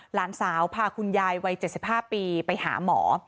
หลานสาวพาคุณยายวัยเจ็ดสิบห้าปีไปหาหมอ